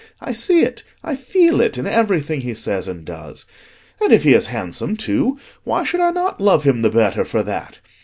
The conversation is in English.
I see it, I feel it, in everything he says and does. And if he is handsome, too, why should I not love him the better for that?